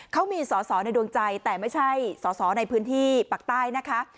เขามีสอสอในดวงใจแต่ไม่ใช่สอสอในพื้นที่ปากใต้นะคะ